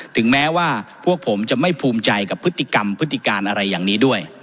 ถึงแม้ว่าพวกผมจะไม่ภูมิใจกับพฤติกรรมพฤติการอะไรอย่างนี้ด้วย